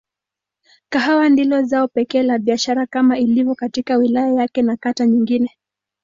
Kahawa ndilo zao pekee la biashara kama ilivyo katika wilaya yake na kata nyingine.